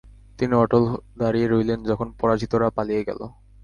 তিনি অটল দাঁড়িয়ে রইলেন যখন পরাজিতরা পালিয়ে গেল।